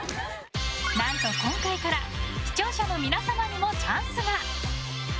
何と今回から視聴者の皆様にもチャンスが。